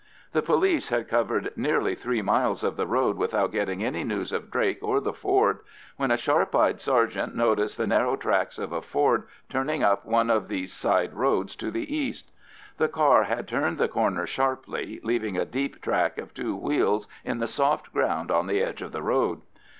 The police had covered nearly three miles of the road without getting any news of Drake or the Ford, when a sharp eyed sergeant noticed the narrow tracks of a Ford turning up one of these side roads to the east. The car had turned the corner sharply, leaving a deep track of two wheels in the soft ground on the edge of the road.